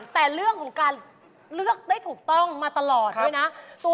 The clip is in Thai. แต่เรื่องของการเลือกได้ถูกต้องมาตลอดด้วยนะ